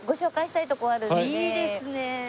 いいですねえ。